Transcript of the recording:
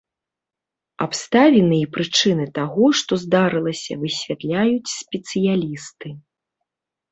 Абставіны і прычыны таго, што здарылася высвятляюць спецыялісты.